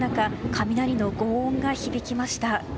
雷の轟音が響きました。